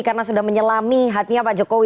karena sudah menyelami hatinya pak jokowi